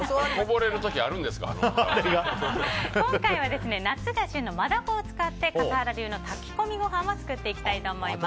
今回は夏が旬のマダコを使って笠原流の炊き込みご飯を作っていきたいと思います。